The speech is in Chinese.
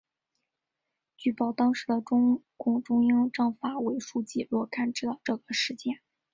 据报当时的中共中央政法委书记罗干知道这个事件。